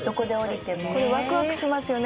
「これワクワクしますよね。